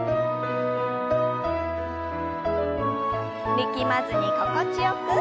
力まずに心地よく。